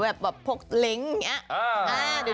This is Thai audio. แบบพวกเล้งอย่างนี้